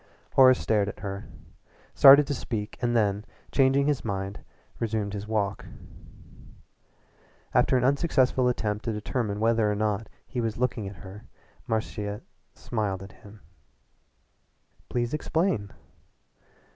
Horace stared at her, started to speak and then, changing his mind, resumed his walk. After an unsuccessful attempt to determine whether or not he was looking at her Marcia smiled at him. "Please explain."